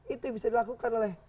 itu bisa dilakukan oleh